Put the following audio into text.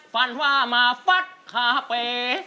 ฟันว่ามาฟัดคาเป๋